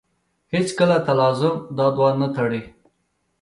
هېڅکله تلازم دا دوه نه تړي.